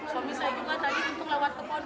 suami saya juga tadi untung lewat telepon